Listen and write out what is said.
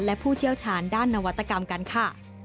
และผู้เชี่ยวชาญด้านนวัตกรรมกันค่ะ